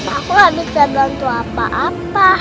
aku gak bisa bantu apa apa